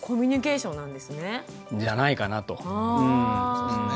そうですね。